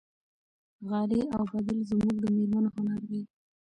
غالۍ اوبدل زموږ د مېرمنو هنر دی.